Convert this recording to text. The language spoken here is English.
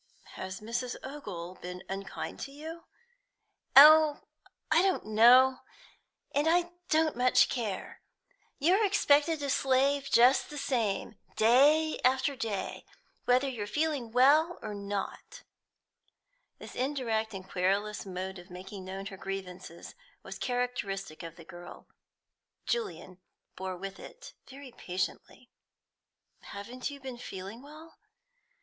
"Has Mrs. Ogle been unkind to you?" "Oh, I don't know, and I don't much care. You're expected to slave just the same, day after day, whether you're feeling well or not." This indirect and querulous mode of making known her grievances was characteristic of the girl. Julian bore with it very patiently. "Haven't you been feeling well?"